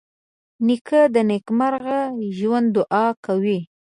نیکه د نېکمرغه ژوند دعا کوي.